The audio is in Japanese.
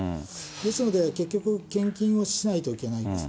ですので、結局献金をしないといけないんです。